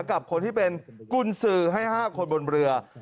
กับคนที่เป็นกุญสือให้๕คนบนเรือ